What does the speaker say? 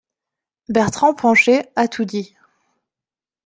Bertrand Pancher a tout dit.